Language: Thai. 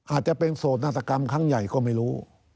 อาจจะเป็นโสดนาฏกรรมครั้งใหญ่ก็ไม่รู้